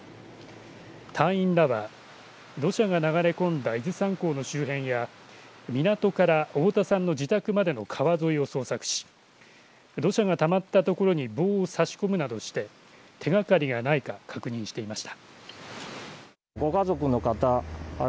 隊員らは土砂が流れ込んだ伊豆山港の周辺や港から太田さんの自宅までの川沿いを捜索し土砂がたまった所に棒を差し込むなどして手がかりがないか確認していました。